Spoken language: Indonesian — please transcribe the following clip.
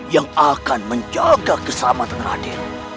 yang akan menjaga keselamatan raden